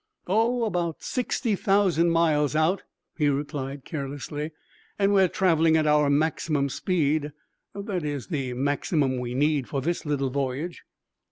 "Oh, about sixty thousand miles out," he replied carelessly; "and we are traveling at our maximum speed that is, the maximum we need for this little voyage."